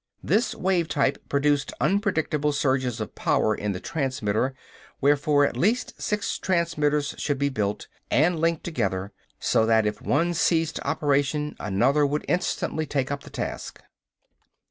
This wave type produced unpredictable surges of power in the transmitter, wherefore at least six transmitters should be built and linked together so that if one ceased operation another would instantly take up the task.